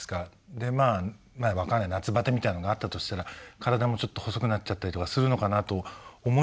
でまあ分かんない夏バテみたいなのがあったとしたら体もちょっと細くなっちゃったりとかするのかなと思いきや夏以降さらに大きくなってますね体ね。